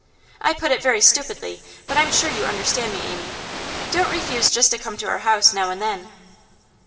I put it very stupidly, but I'm sure you understand me, Amy. Don't refuse just to come to our house now and then.